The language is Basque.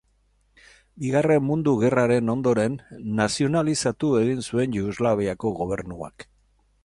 Bigarren Mundu Gerraren ondoren nazionalizatu egin zuen Jugoslaviako gobernuak.